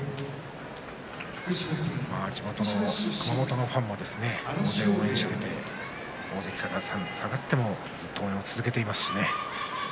地元の熊本のファンも応援して、大関から下がってもずっと応援を続けていますしね。